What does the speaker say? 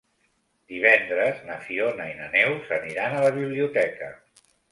Divendres na Fiona i na Neus aniran a la biblioteca.